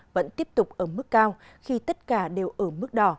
vẫn tiếp tục ở mức cao khi tất cả đều ở mức đỏ